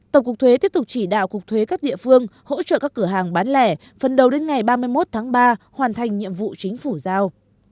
tổng cục thuế tiếp tục chỉ đạo cục thuế các địa phương hỗ trợ các cửa hàng bán lẻ phần đầu đến ngày ba mươi một tháng ba hoàn thành nhiệm vụ chính phủ giao